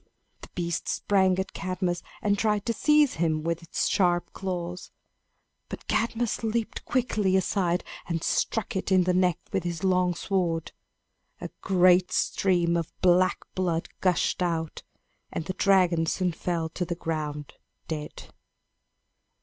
The beast sprang at Cadmus, and tried to seize him with its sharp claws. But Cadmus leaped quickly aside and struck it in the neck with his long sword. A great stream of black blood gushed out, and the dragon soon fell to the ground dead.